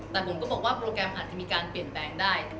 แต่ผมก็บอกว่าโปรแกรมอาจจะมีการเปลี่ยนแปลงได้ตามเหตุสมควรครับ